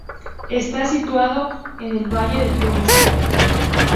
Está situado en el valle del río Mesa.